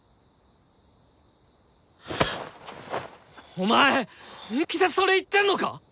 お前本気でそれ言ってんのか！